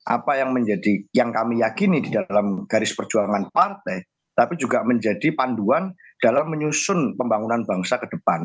apa yang menjadi yang kami yakini di dalam garis perjuangan partai tapi juga menjadi panduan dalam menyusun pembangunan bangsa ke depan